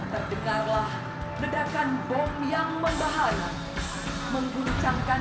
sesuaikan dengan rencana